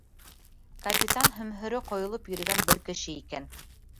Капитан һөмһөрө ҡойолоп йөрөгән бер кеше икән.